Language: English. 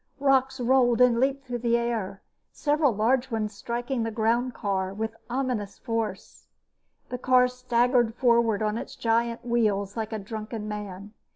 Rocks rolled and leaped through the air, several large ones striking the groundcar with ominous force. The car staggered forward on its giant wheels like a drunken man.